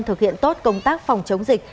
thực hiện tốt công tác phòng chống dịch